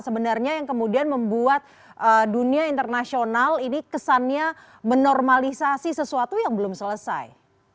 sebenarnya yang kemudian membuat dunia internasional ini kesannya menormalisasi sesuatu yang belum selesai